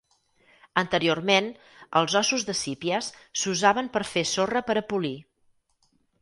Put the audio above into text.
Anteriorment, els ossos de sípies s'usaven per fer sorra per a polir.